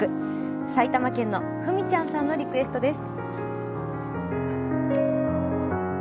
埼玉県のふみちゃんさんのリクエストです。